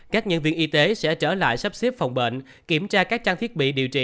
các nhân viên y tế sẽ trở lại sắp xếp phòng bệnh kiểm tra các trang thiết bị điều trị